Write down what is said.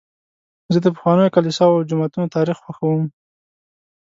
زه د پخوانیو کلیساوو او جوماتونو تاریخ خوښوم.